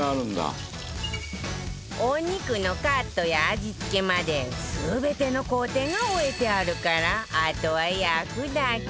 お肉のカットや味付けまで全ての工程が終えてあるからあとは焼くだけ